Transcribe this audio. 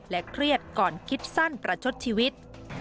เครียดก่อนคิดสั้นประชดชีวิต